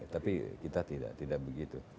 tapi kita tidak begitu